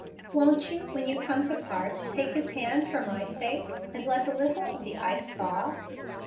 "Won't you, when you come to part, take his hand for my sake, and let a little of the ice thaw?"